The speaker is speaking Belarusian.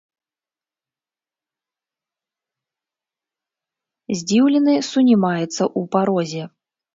Здзіўлены сунімаецца ў парозе.